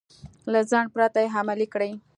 له ځنډ پرته يې عملي کړئ.